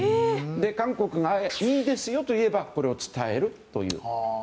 韓国がいいですよと言えばこれを伝えるという。